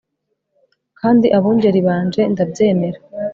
kandi abungeri banje, ndabyemera